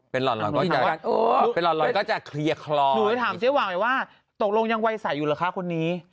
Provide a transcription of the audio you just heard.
เป็นลอนลอยก็จะเคลียร์คลอหนูจะถามเจ๊วางเอาเหมือนว่าตกลงยังไวศัยอยู่หรอคะคนนี้